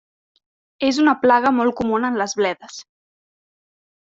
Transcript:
És una plaga molt comuna en les bledes.